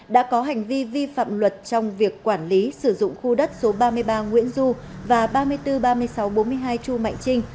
đã có hành vi vi phạm luật trong việc quản lý sử dụng khu đất số ba mươi ba nguyễn du và ba trăm bốn mươi ba nghìn sáu trăm bốn mươi hai chu mạnh trinh